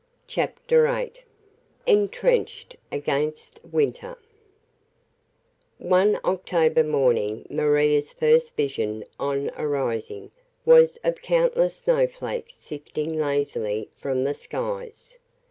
CHAPTER VIII ENTRENCHED AGAINST WINTER ONE October morning Maria's first vision on arising was of countless snow flakes sifting lazily from the skies.